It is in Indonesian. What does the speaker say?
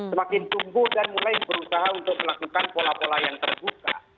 semakin tumbuh dan mulai berusaha untuk melakukan pola pola yang terbuka